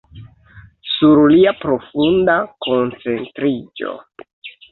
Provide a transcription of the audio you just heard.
Sur lia profunda koncentriĝo.